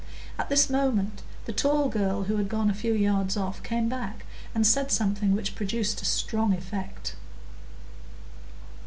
At this moment the tall girl, who had gone a few yards off, came back, and said something which produced a strong effect.